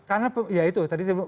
karena ya itu tadi